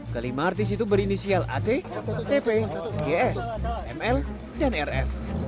kelima artis itu berinisial ac tp gs ml dan rf